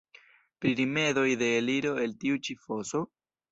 Pri rimedoj de eliro el tiu ĉi foso?